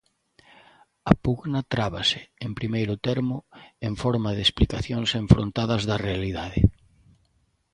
A pugna trábase, en primeiro termo, en forma de explicacións enfrontadas da realidade.